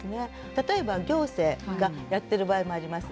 例えば行政がやってる場合もあります。